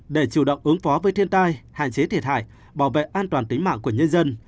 để chủ động ứng phó với thiên tai hạn chế thiệt hại bảo vệ an toàn tính mạng của nhân dân